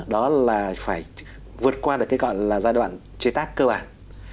đó là phải vượt qua được cái gọi là giai đoạn chế tác cơ bản